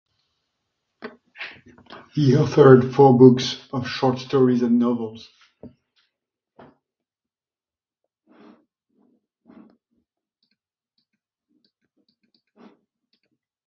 He authored four books of short stories and novels.